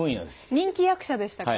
人気役者でした。